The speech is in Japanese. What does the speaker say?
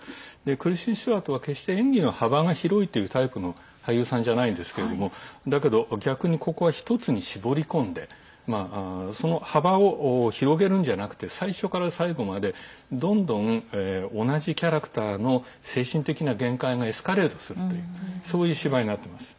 クリステン・スチュワートは決して演技の幅が広いというタイプの俳優さんじゃないんですけれどもだけど逆にここは１つに絞り込んでその幅を広げるんじゃなくて最初から最後までどんどん同じキャラクターの精神的な限界がエスカレートするというそういう芝居になっています。